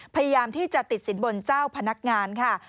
พยายามที่จะติดสินบนเจ้าพนักงานค่ะ